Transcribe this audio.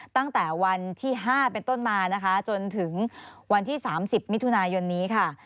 ตั้งแต่วันที่๕เป็นต้นมานะคะจนถึงวันที่๓๐มิถุนายนนี้ค่ะ